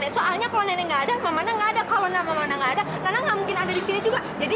soalnya kalau nggak ada nggak ada nggak ada nggak ada nggak ada